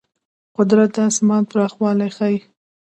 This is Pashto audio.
قدرت د آسمان پراخوالی ښيي.